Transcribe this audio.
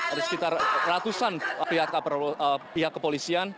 ada sekitar ratusan pihak kepolisian